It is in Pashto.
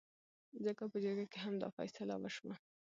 ځکه په جرګه کې هم دا فيصله وشوه